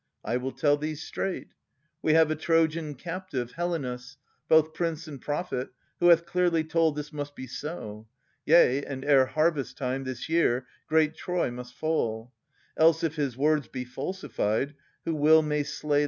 I will tell thee straight. We have a Trojan captive, Helenas, Both prince and prophet, who hath clearly told This must be so ; yea, and ere harvest time This year, great Troy must fall ; else if his words Be falsified, who will may slay the seer.